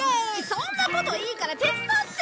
そんなこといいから手伝って！